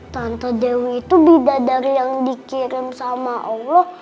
tante dewi itu bidadar yang dikirim sama allah